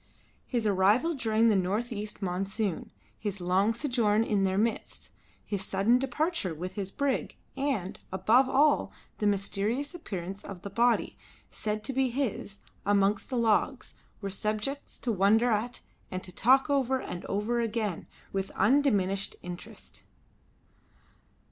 His arrival during the north east monsoon, his long sojourn in their midst, his sudden departure with his brig, and, above all, the mysterious appearance of the body, said to be his, amongst the logs, were subjects to wonder at and to talk over and over again with undiminished interest.